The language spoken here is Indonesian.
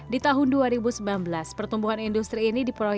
di tahun dua ribu sembilan belas pertumbuhan industri ini diperoleh